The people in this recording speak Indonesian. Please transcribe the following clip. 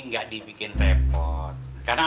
gak dibikin repot